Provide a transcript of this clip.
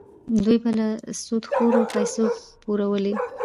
دوی به له سودخورو پیسې پورولې.